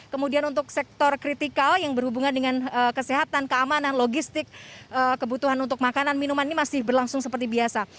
kemudian untuk sektor kritikal yang berhubungan dengan kesehatan keamanan logistik kebutuhan untuk makanan minuman ini masih berlangsung seperti biasa